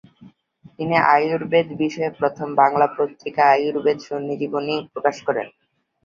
তিনি আয়ুর্বেদ বিষয়ে প্রথম বাংলা পত্রিকা আয়ুর্বেদ সঞ্জীবনী প্রকাশ করেন।